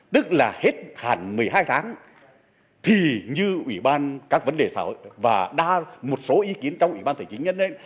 tức là hết hẳn một mươi hai tháng thì như ủy ban các vấn đề xã hội và đa một số ý kiến trong ủy ban thể chính nhân